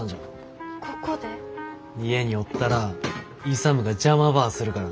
家におったら勇が邪魔ばあするから。